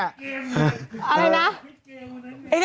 อะไรนะ